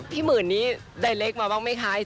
พี่หมื่นนี้ไดเรกมาบ้างไหมคะ